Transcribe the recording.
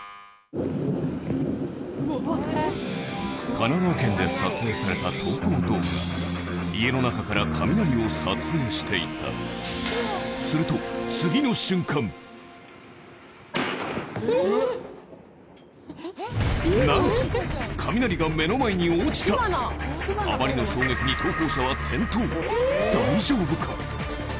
神奈川県で撮影された投稿動画家の中からカミナリを撮影していたするとなんとカミナリが目の前に落ちたあまりの衝撃に大丈夫か？